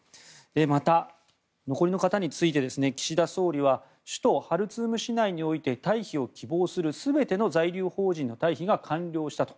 また、残りの方について岸田総理は首都ハルツーム市内において退避を希望する全ての在留邦人の退避が完了したと。